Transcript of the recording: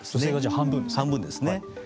半分ですね。